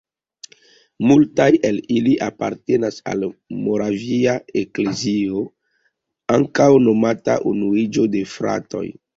Multaj el ili apartenas al la "Moravia Eklezio", ankaŭ nomata Unuiĝo de fratoj.